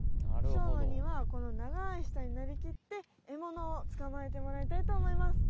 しょうまにはこの長い舌になりきってえものをつかまえてもらいたいと思います。